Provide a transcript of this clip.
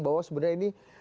bahwa sebenarnya ini